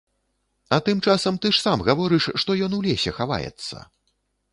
А тым часам, ты ж сам гаворыш, што ён у лесе хаваецца!